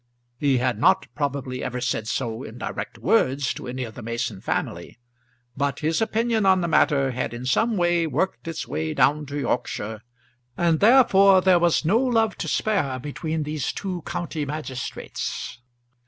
He had not probably ever said so in direct words to any of the Mason family, but his opinion on the matter had in some way worked its way down to Yorkshire, and therefore there was no love to spare between these two county magistrates.